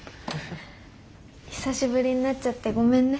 久しぶりになっちゃってごめんね。